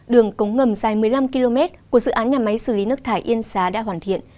đường cống ngầm dài một mươi năm km của dự án nhà máy xử lý nước thải yên xá đã hoàn thiện